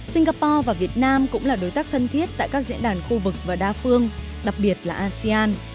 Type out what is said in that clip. singapore và việt nam cũng là đối tác thân thiết tại các diễn đàn khu vực và đa phương đặc biệt là asean